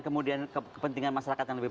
kemudian kepentingan masyarakat yang lebih